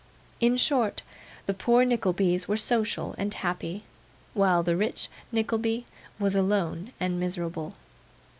In short, the poor Nicklebys were social and happy; while the rich Nickleby was alone and miserable.